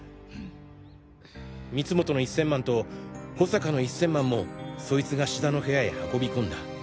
光本の１０００万と保坂の１０００万もそいつが志田の部屋へ運び込んだ。